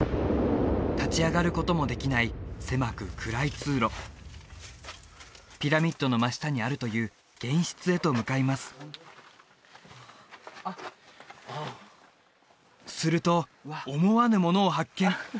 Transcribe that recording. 立ち上がることもできない狭く暗い通路ピラミッドの真下にあるという玄室へと向かいますすると思わぬものを発見